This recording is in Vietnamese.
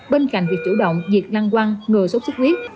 bên cạnh việc chủ động diệt năng quăng ngừa sốt xuất huyết